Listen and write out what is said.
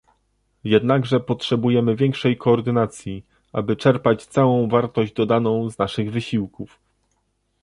Jednakże potrzebujemy większej koordynacji, aby czerpać całą wartość dodaną z naszych wysiłków